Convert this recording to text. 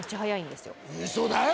ウソだよ。